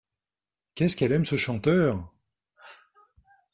Qu'est-ce qu'elle aime ce chanteur !